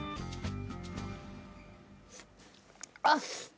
あっ！